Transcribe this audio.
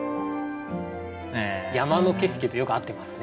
山の景色とよく合ってますね。